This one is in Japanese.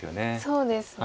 そうですね。